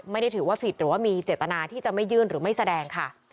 ไม่ได้ถือว่าผิดหรือว่ามีเจตนาที่จะไม่ยื่นหรือไม่แสดงค่ะ